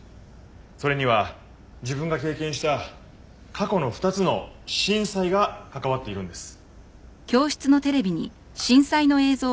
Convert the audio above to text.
それには自分が経験した過去の２つの震災が関わっているんです。